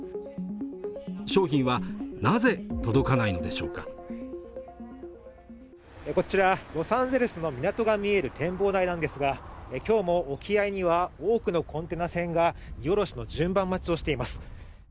商品はなぜ届かないのでしょうかこちらの港が見える展望台なんですが今日も沖合には多くのコンテナ船が荷降ろしの順番待ちをしています